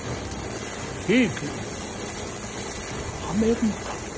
平家をはめるのだ。